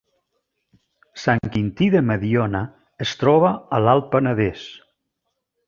Sant Quintí de Mediona es troba a l’Alt Penedès